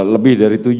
lebih dari tujuh